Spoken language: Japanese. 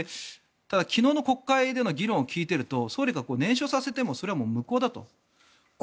ただ、昨日の国会での議論を聞いていると総理が、念書させてもそれは無効だと。